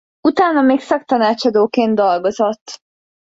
Utána még szaktanácsadóként dolgozott.